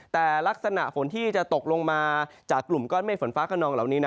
แต่ลักษณะฝนที่จะตกลงมาจากกลุ่มก้อนเมฆฝนฟ้าขนองเหล่านี้